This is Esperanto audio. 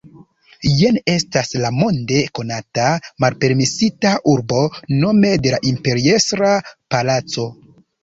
Jen estas la monde konata Malpermesita Urbo, nome la Imperiestra Palaco.